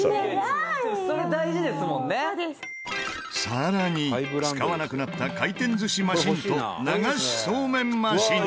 さらに使わなくなった回転寿司マシンと流しそうめんマシン。